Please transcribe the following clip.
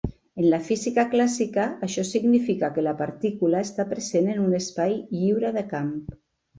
En la física clàssica, això significa que la partícula està present en un espai "lliure de camp".